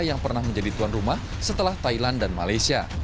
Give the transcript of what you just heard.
yang pernah menjadi tuan rumah setelah thailand dan malaysia